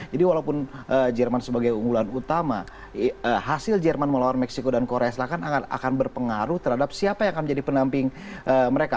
jadi walaupun jerman sebagai unggulan utama hasil jerman melawan meksiko dan korea selatan akan berpengaruh terhadap siapa yang akan menjadi penamping mereka